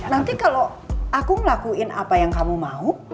nanti kalau aku ngelakuin apa yang kamu mau